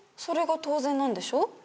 それが当然なんでしょ？